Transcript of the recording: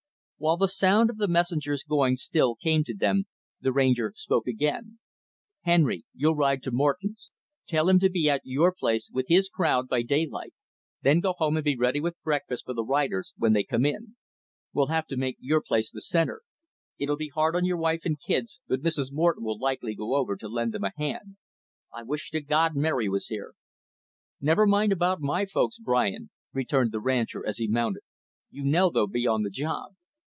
While the sound of the messenger's going still came to them, the Ranger spoke again. "Henry, you'll ride to Morton's. Tell him to be at your place, with his crowd, by daylight. Then go home and be ready with breakfast for the riders when they come in. We'll have to make your place the center. It'll be hard on your wife and the girls, but Mrs. Morton will likely go over to lend them a hand. I wish to God Mary was here." "Never mind about my folks, Brian," returned the rancher as he mounted. "You know they'll be on the job."